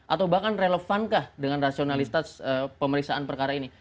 atau bahkan relevankah dengan rasionalitas pemeriksaan perkara ini